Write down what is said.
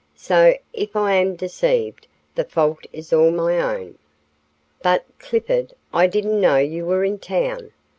"So, if I am deceived, the fault is all my own. But, Clifford, I didn't know you were in town.